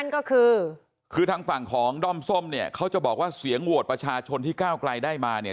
ก็คือคือทางฝั่งของด้อมส้มเนี่ยเขาจะบอกว่าเสียงโหวตประชาชนที่ก้าวไกลได้มาเนี่ย